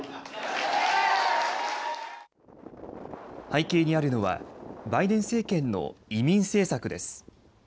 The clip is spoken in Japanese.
背景にあるのはバイデン政権の移民政策です。